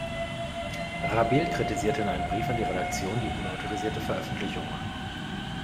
Rabehl kritisierte in einem Brief an die Redaktion die unautorisierte Veröffentlichung.